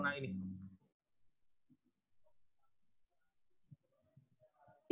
nggak ada korona ini